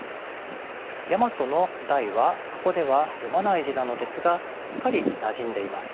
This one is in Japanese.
「大和」の「大」はここでは読まない字なのですがすっかりなじんでいます。